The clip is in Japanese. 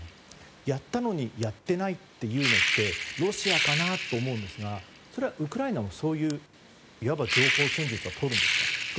やったのにやっていないと言うのはロシアかなと思うんですがそれはウクライナもそういう、いわば情報戦術はとるんですか？